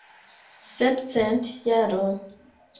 Sepcent jaroj!